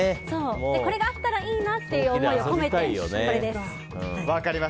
これがあったらいいなという思いを込めて、これです。